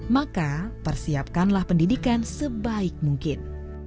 maka persiapkanlah pendidikan sebaik mungkin